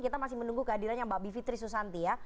kita masih menunggu kehadirannya mbak bivitri susanti ya